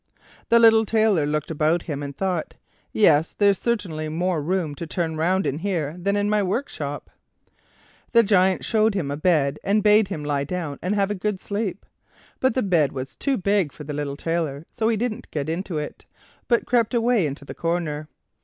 The little Tailor looked about him, and thought: "Yes, there's certainly more room to turn round in here than in my workshop." The Giant showed him a bed, and bade him lie down and have a good sleep. But the bed was too big for the little Tailor, so he didn't get into it, but crept away into the corner.